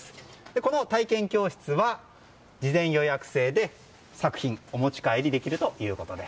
この体験教室は事前予約制で作品、お持ち帰りできるということです。